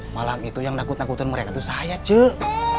malam itu yang nakut nakutin mereka tuh saya cek